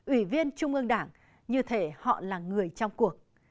ủy viên trung ương đảng như thế họ là người trong cuộc